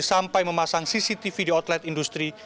sampai memasang cctv di outlet industri